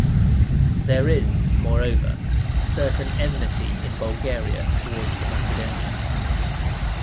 There is, moreover, a certain enmity in Bulgaria towards the Macedonians.